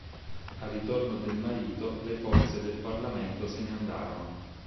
Al ritorno del marito le forze del parlamento se ne andarono.